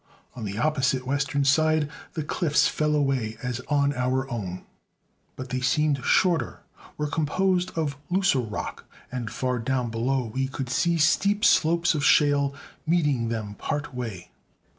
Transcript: On the opposite western side the cliffs fell away as on our own, but they seemed shorter, were composed of looser rock, and far down below we could see steep slopes of shale meeting them part way.